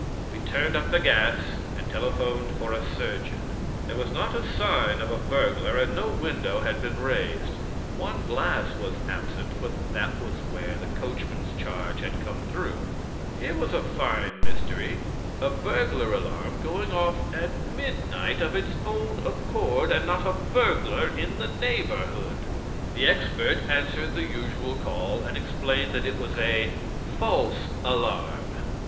We turned up the gas, and telephoned for a surgeon. There was not a sign of a burglar, and no window had been raised. One glass was absent, but that was where the coachman's charge had come through. Here was a fine mystery a burglar alarm 'going off' at midnight of its own accord, and not a burglar in the neighborhood! "The expert answered the usual call, and explained that it was a 'False alarm.'